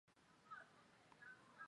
所有八种演算都是强规范化的。